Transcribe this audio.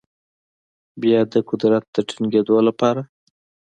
بیا یې د قدرت د ټینګیدو لپاره